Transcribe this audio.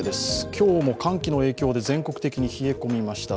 今日も寒気の影響で全国的に冷え込みました。